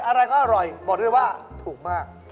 อะไรก็อร่อยบอกด้วยว่าถูกมาก